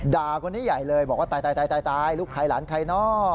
ด่าคนนี้ใหญ่เลยบอกว่าตายลูกใครหลานใครเนอะ